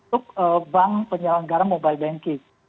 untuk bank penyelenggara mobile banking